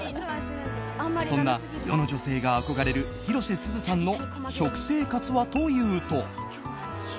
そんな世の女性が憧れる広瀬すずさんの食生活はというと。